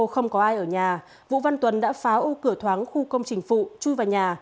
không có ai ở nhà vũ văn tuấn đã phá ô cửa thoáng khu công trình phụ chui vào nhà